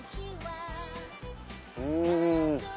うん。